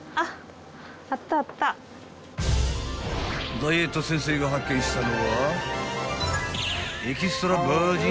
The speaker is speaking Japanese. ［ダイエット先生が発見したのは］